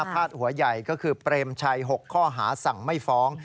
พาดหัวใหญ่ก็คือเปรมชัย๖ข้อหาสั่งไม่ฟ้อง